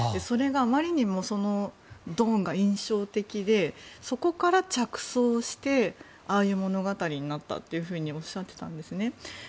それがあまりにもドンが印象的でそこから着想してああいう物語になったとおっしゃっていたんですね。